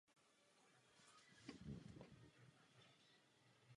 Kompletní popis stezky se nachází v mnoha knihách popisujících stezku.